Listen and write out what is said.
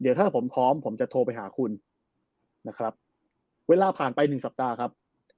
เดี๋ยวถ้าผมพร้อมผมจะโทรไปหาคุณนะครับเวลาผ่านไปหนึ่งสัปดาห์ครับ